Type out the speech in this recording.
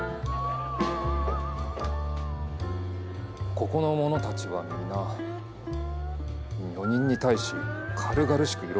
ここの者たちは皆女人に対し軽々しく色恋を語るのだな。